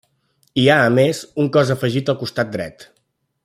Hi ha a més, un cos afegit al costat dret.